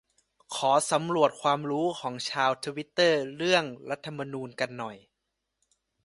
ขอสำรวจความรู้ ของชาวทวิตเตอร์เรื่อง รัฐธรรมนูญ กันหน่อย